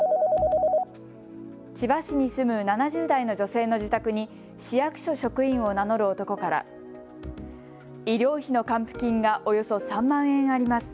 千葉市に住む７０代の女性の自宅に市役所職員を名乗る男から医療費の還付金がおよそ３万円あります。